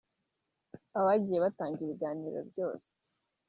Abagiye batanga ibiganiro bose